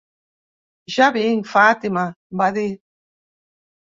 "Ja vinc, Fàtima", va dir.